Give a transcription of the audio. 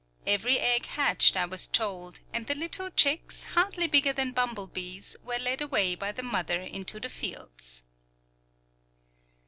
Every egg hatched, I was told, and the little chicks, hardly bigger than bumblebees, were led away by the mother into the fields.